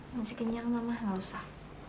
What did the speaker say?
masih kenyang mama ga usah